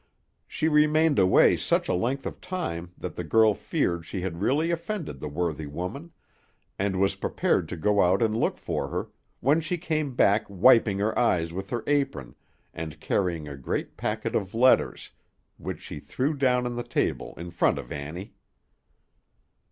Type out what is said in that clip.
She remained away such a length of time that the girl feared she had really offended the worthy woman, and was preparing to go out and look for her, when she came back wiping her eyes with her apron, and carrying a great packet of letters, which she threw down on the table in front of Annie.